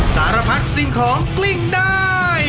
สารพัดสิ่งของกลิ้งได้